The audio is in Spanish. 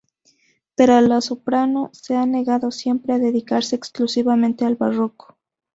Pero la soprano se ha negado siempre a dedicarse exclusivamente al barroco.